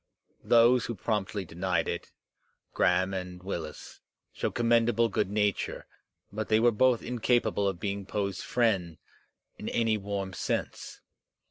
Those who promptly denied it, Graham and Willis, showed commendable good nature, but they were both in capable of being Poe's friends in any warm sense.